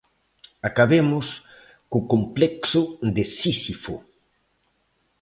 Acabemos co complexo de Sísifo.